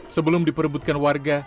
sebelum diperebutkan warga